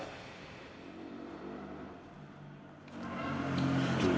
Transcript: juli ada tamu untuk kamu